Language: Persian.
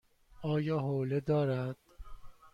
آیا حوله دارد؟